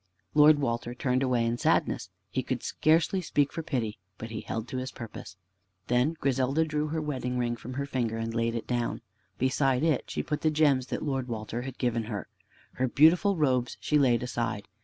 Lord Walter turned away in sadness. He could scarcely speak for pity, but he held to his purpose. Then Griselda drew her wedding ring from her finger, and laid it down. Beside it she put the gems that Lord Walter had given her. Her beautiful robes she laid aside.